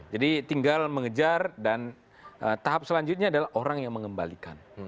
jadi tinggal mengejar dan tahap selanjutnya adalah orang yang mengembalikan